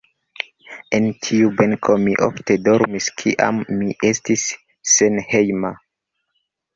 En tiu benko mi ofte dormis kiam mi estis senhejma.